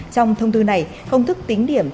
trong thông tư này công thức tính điểm